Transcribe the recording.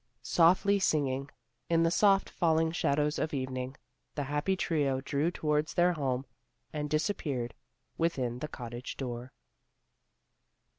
'" Softly singing, in the soft falling shadows of evening, the happy trio drew towards their home, and disappeared within the cottage door.